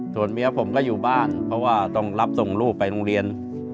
ส่วนเมียผมก็อยู่บ้านเพราะว่าต้องรับส่งลูกไปโรงเรียน